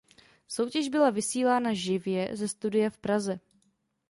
Soutěž byla vysílána živě ze studia v Praze.